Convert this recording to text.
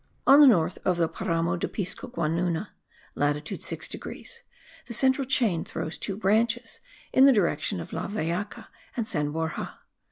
On the north of the Paramo de Piscoguanuna (latitude 6 degrees) the central chain throws two branches in the direction of La Vellaca and San Borja.